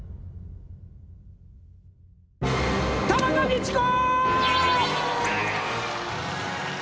田中道子！